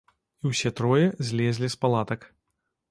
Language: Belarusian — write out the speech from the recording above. І ўсе трое злезлі з палатак.